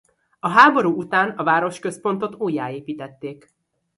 A háború után a városközpontot újjáépítették.